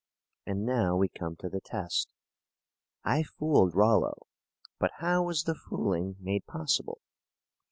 And now we come to the test. I fooled Rollo, but how was the fooling made possible?